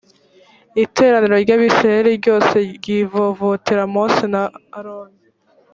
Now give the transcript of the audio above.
iteraniro ry abisirayeli ryose ryivovotera mose na aroni